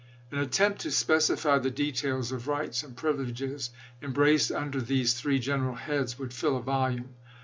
An attempt to specify the details of rights and privileges embraced under these three general heads would fill a volume.